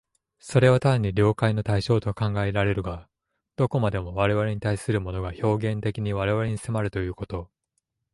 それは単に了解の対象と考えられるが、どこまでも我々に対するものが表現的に我々に迫るということ、